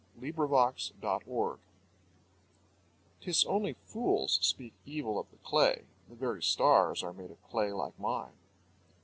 THE SOMNAMBULISTS "'Tis only fools speak evil of the clay The very stars are made of clay like mine."